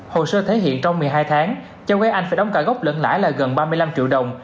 hồ sơ thể hiện trong một mươi hai tháng cho quý anh phải đóng cả gốc lẫn lãi là gần ba mươi năm triệu đồng